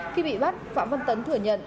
khi bị bắt phạm văn tấn thừa nhận